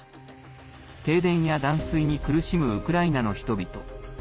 停電や断水に苦しむウクライナの人々。